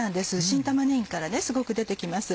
新玉ねぎからすごく出て来ます。